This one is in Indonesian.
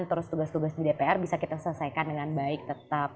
terus tugas tugas di dpr bisa kita selesaikan dengan baik tetap